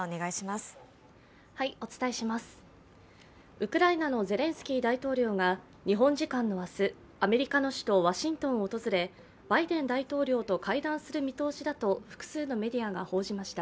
ウクライナのゼレンスキー大統領が日本時間の明日、アメリカの首都ワシントンを訪れバイデン大統領と会談する見通しだと複数のメディアが報じました。